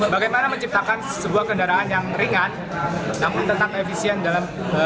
bagaimana menciptakan sebuah kendaraan yang ringan namun tetap efisien dalam